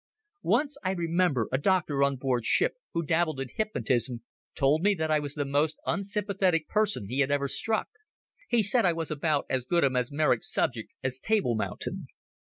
Once, I remember, a doctor on board ship who dabbled in hypnotism told me that I was the most unsympathetic person he had ever struck. He said I was about as good a mesmeric subject as Table Mountain.